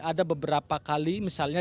ada beberapa kali misalnya